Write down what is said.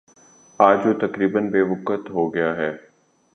آج وہ تقریبا بے وقعت ہو گیا ہے